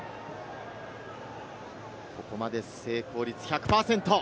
ここまで成功率１００％。